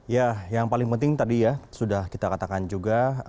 ya yang paling penting tadi ya sudah kita katakan juga